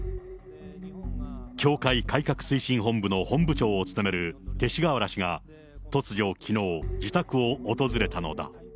教会改革推進本部の本部長を務める勅使河原氏が、突如、きのう自宅を訪れたのだ。